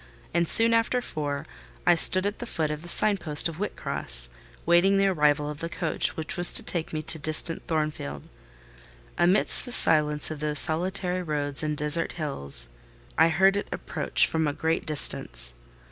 and soon after four I stood at the foot of the sign post of Whitcross, waiting the arrival of the coach which was to take me to distant Thornfield. Amidst the silence of those solitary roads and desert hills, I heard it approach from a great distance.